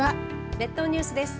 列島ニュースです。